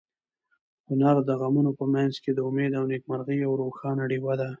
هنر د غمونو په منځ کې د امید او نېکمرغۍ یوه روښانه ډېوه ده.